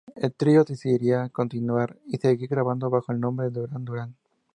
El trío decidiría continuar y seguir grabando bajo el nombre Duran Duran.